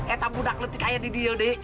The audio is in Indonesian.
eh tak mudah kletik kaya di dia deh